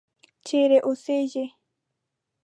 چیرې اوسیږې.